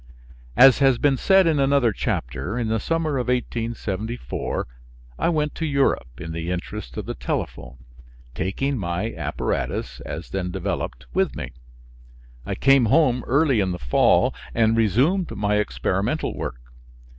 As has been said in another chapter, in the summer of 1874 I went to Europe in the interest of the telephone, taking my apparatus, as then developed, with me. I came home early in the fall and resumed my experimental work.